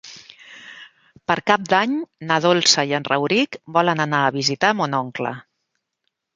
Per Cap d'Any na Dolça i en Rauric volen anar a visitar mon oncle.